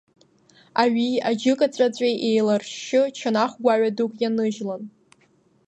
Аҩи аџьыкаҵәаҵәеи еиларшьшьы, чанах гәаҩа дук ианыжьлан.